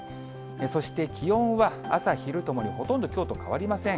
そして気温は朝、昼ともにほとんどきょうと変わりません。